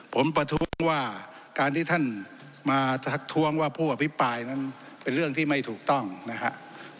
ผมประท้วงว่าการที่ท่านมาทักท้วงว่าผู้อภิปรายนั้นเป็นเรื่องที่ไม่ถูกต้องนะครับ